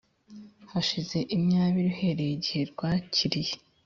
hashize imyabiri uhereye igihe rwakiriye